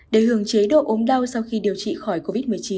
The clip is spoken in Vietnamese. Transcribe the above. để hưởng chế độ ốm đau sau khi điều trị khỏi covid một mươi chín